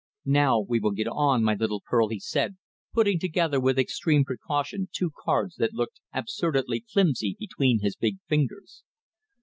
"Now we will get on, my little pearl," he said, putting together with extreme precaution two cards that looked absurdly flimsy between his big fingers.